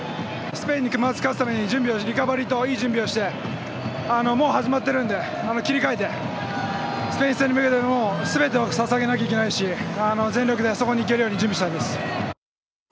スペインに勝つために準備と、リカバリーをしてもう始まっているのでスペイン戦に向けてすべてをささげなきゃいけないし全力で、そこに行けるように準備したいです。